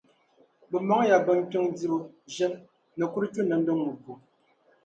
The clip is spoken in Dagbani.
Bɛ mɔŋ ya binkpiŋ dibu, ʒim, ni kuruchu nimdi ŋubbu.